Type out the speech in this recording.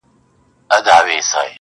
د کمزورو کنډوالې دي چي نړېږي.!.!